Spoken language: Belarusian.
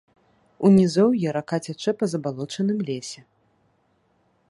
У нізоўі рака цячэ па забалочаным лесе.